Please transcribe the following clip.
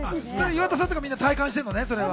岩田さんとか体感してるのね。